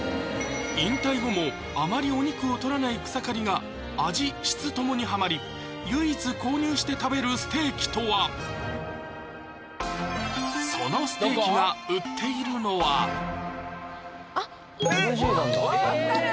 引退後もあまりお肉をとらない草刈が味・質共にハマり唯一購入して食べるステーキとは⁉そのステーキが売っているのは麻布十番だ助かる！